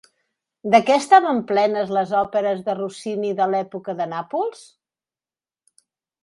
De què estaven plenes les òperes de Rossini de l'època de Nàpols?